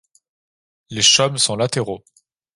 Les chaumes sont latéraux.